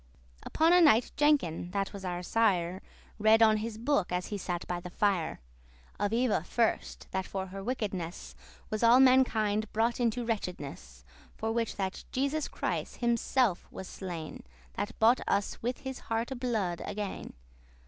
Upon a night Jenkin, that was our sire,* *goodman Read on his book, as he sat by the fire, Of Eva first, that for her wickedness Was all mankind brought into wretchedness, For which that Jesus Christ himself was slain, That bought us with his hearte blood again.